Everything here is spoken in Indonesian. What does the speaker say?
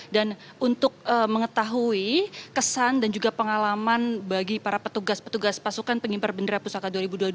dan untuk mengetahui kesan dan juga pengalaman bagi para petugas petugas pasukan pengimpar bendera pusaka dua ribu dua puluh dua